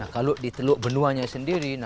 kalau di teluk benuanya sendiri